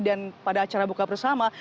dan pada acara buka bersama